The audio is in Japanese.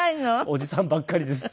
おじさんばっかりです。